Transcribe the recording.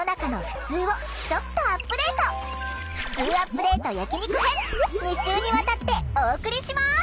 ふつうアップデート焼き肉編２週にわたってお送りします！